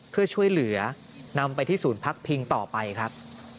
เพื่อช่วยเหลือนำไปที่ภาคพิงต่อไปครับ